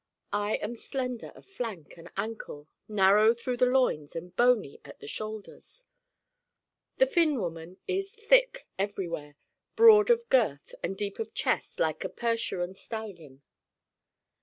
I am slender of flank and ankle, narrow through the loins and bony at the shoulders. The Finn woman is thick everywhere, broad of girth and deep of chest like a Percheron stallion.